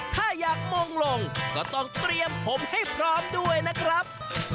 ถ้าอยากมงลงก็ต้องเตรียมผมให้พร้อมด้วยนะครับ